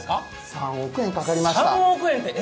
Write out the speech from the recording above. ３億円かかりました。